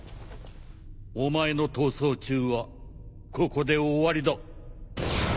お前の逃走中はここで終わりだ。